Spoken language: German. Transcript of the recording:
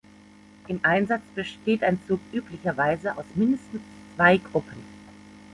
Im Einsatz besteht ein Zug üblicherweise aus mindestens zwei Gruppen.